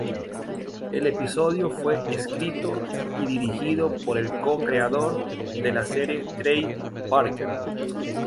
El episodio fue escrito y dirigido por el co-creador de la serie Trey Parker.